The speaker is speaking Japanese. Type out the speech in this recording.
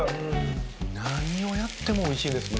何をやってもおいしいですね。